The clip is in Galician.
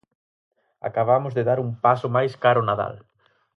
Acabamos de dar un paso máis cara ao Nadal.